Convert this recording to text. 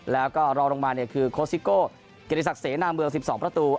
แล้วก็รอลงมาเนี่ยคือโคสิโก้เกียรติศักดิเสนาเมือง๑๒ประตู